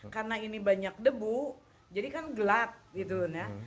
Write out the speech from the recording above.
karena ini banyak debu jadi kan gelap gitu ya